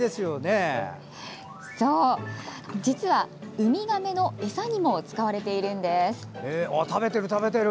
実はウミガメの餌にも使われているんです。